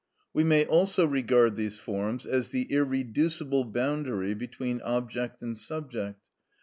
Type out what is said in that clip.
We may also regard these forms as the irreducible boundary between object and subject.